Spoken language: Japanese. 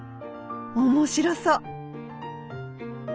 面白そう！